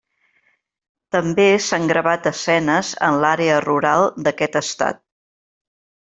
També s'han gravat escenes en l'àrea rural d'aquest estat.